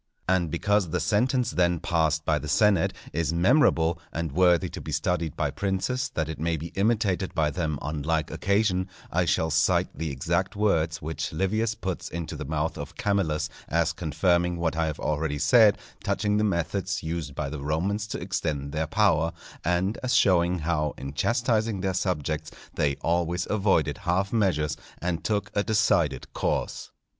And because the sentence then passed by the senate is memorable, and worthy to be studied by princes that it may be imitated by them on like occasion, I shall cite the exact words which Livius puts into the mouth of Camillus, as confirming what I have already said touching the methods used by the Romans to extend their power, and as showing how in chastising their subjects they always avoided half measures and took a decided course.